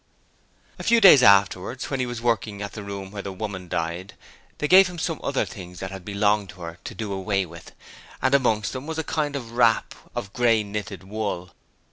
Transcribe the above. A few days afterwards when he was working at the room where the woman died, they gave him some other things that had belonged to her to do away with, and amongst them was a kind of wrap of grey knitted wool.